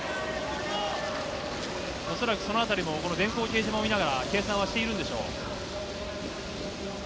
恐らくそのあたりもこの電光掲示板を見ながら計算はしているんでしょう。